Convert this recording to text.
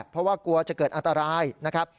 เพราะว่ากลัวจะเกิดอันตรายนะครับ